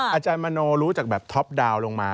อาจารย์มโนรู้จากแบบท็อปดาวนลงมา